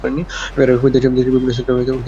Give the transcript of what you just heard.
এরাই হবে দেশের বিভিন্ন সেক্টরের কান্ডারি।